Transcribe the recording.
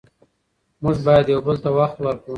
موږ باید یو بل ته وخت ورکړو